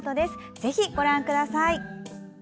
ぜひ、ご覧ください。